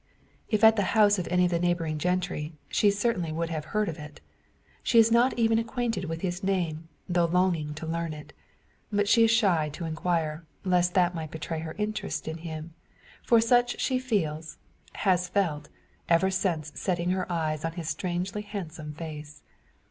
If at the house of any of the neighbouring gentry, she would certainly have heard of it. She is not even acquainted with his name, though longing to learn it. But she is shy to inquire, lest that might betray her interest in him. For such she feels, has felt, ever since setting eyes on his strangely handsome face.